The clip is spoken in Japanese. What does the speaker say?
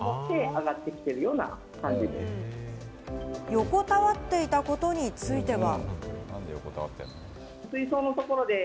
横たわっていたことについては。